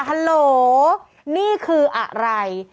ฮัลโหลนี่คืออะไร